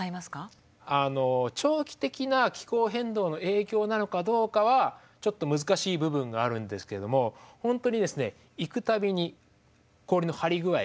あの長期的な気候変動の影響なのかどうかはちょっと難しい部分があるんですけれども本当にですね行く度に氷の張り具合が違っています。